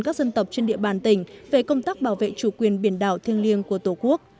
các dân tộc trên địa bàn tỉnh về công tác bảo vệ chủ quyền biển đảo thiêng liêng của tổ quốc